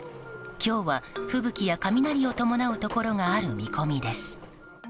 今日は吹雪や雷を伴うところがある見込みです。